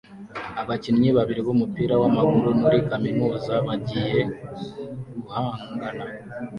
Abakinnyi babiri b'umupira w'amaguru muri kaminuza bagiye guhangana